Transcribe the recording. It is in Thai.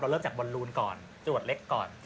เราเริ่มจากบนรูนก่อนจรวดเล็กก่อน